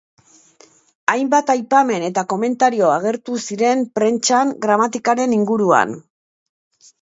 Hainbat aipamen eta komentario agertu ziren prentsan gramatikaren inguruan.